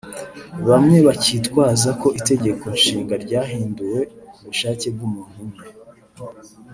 bamwe bakitwaza ko Itegeko Nshinga ryahinduwe ku bushake bw’umuntu umwe